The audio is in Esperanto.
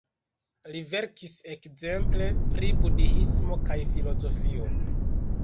Li verkis ekzemple pri budhismo kaj filozofio.